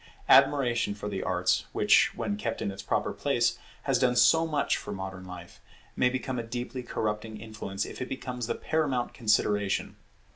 Admiration for the arts, which, when kept in its proper place, has done so much for modern life, may become a deeply corrupting influence, if it becomes the paramount consideration.